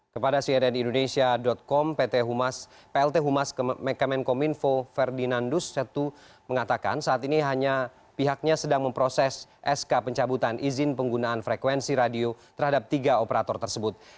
kepada cnn indonesia com plt humas kemenkominfo ferdinandus setu mengatakan saat ini hanya pihaknya sedang memproses sk pencabutan izin penggunaan frekuensi radio terhadap tiga operator tersebut